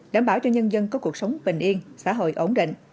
đảm bảo cho nhân dân có cuộc sống bình yên xã hội ổn định